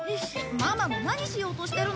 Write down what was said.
ママも何しようとしてるの！？